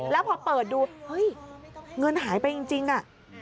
แล้วพอเปิดดูเฮ้ยเงินหายไปจริงอ่ะ